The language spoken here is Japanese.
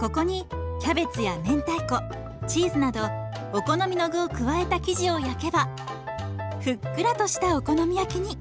ここにキャベツや明太子チーズなどお好みの具を加えた生地を焼けばふっくらとしたお好み焼きに！